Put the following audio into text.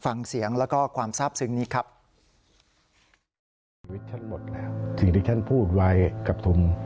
ฟังเสียงแล้วก็ความทราบซึ้งนี้ครับ